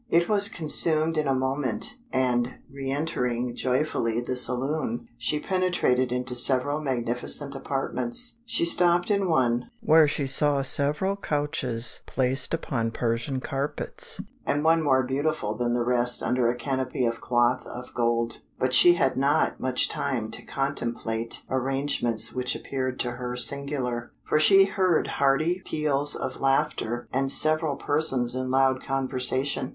It was consumed in a moment, and re entering joyfully the saloon, she penetrated into several magnificent apartments. She stopped in one, where she saw several small couches placed upon Persian carpets, and one more beautiful than the rest under a canopy of cloth of gold. But she had not much time to contemplate arrangements which appeared to her singular, for she heard hearty peals of laughter and several persons in loud conversation.